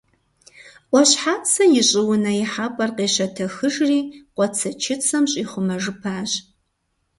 Ӏуащхьацэ и щӀыунэ ихьэпӀэр къещэтэхыжри, къуацэчыцэм щӀихъумэжыпащ.